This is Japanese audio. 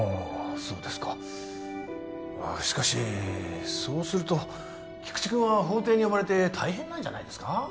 そうですかしかしそうすると菊池君は法廷に呼ばれて大変なんじゃないですか？